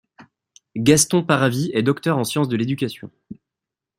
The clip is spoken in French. Gaston Paravy est docteur en sciences de l'éducation.